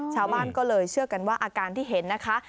ชาวบ้านก็เลยเชื่อกันว่าอาการที่เห็นนะคะ